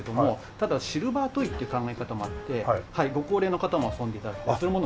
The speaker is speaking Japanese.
ただシルバートイっていう考え方もあってご高齢の方も遊んで頂けたりするものも結構多いです。